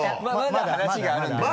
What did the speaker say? まだ話があるんだよね？